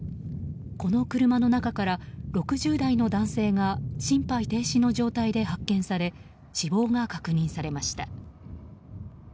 この車の中から６０代の男性が心肺停止の状態で発見され死亡が確認されました。